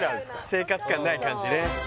生活感ない感じね